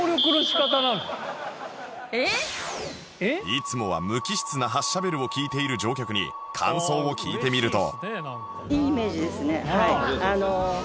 いつもは無機質な発車ベルを聞いている乗客に感想を聞いてみると